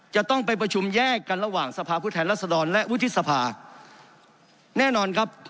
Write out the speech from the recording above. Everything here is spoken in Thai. จะต้องไปประชุมแยกกันระหว่างสภาพผู้แทนรัศดรและวุฒิสภาแน่นอนครับ